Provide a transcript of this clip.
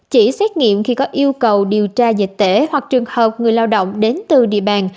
chỉ xét nghiệm khi có yêu cầu điều tra dịch tễ hoặc trường hợp người lao động đến từ địa bàn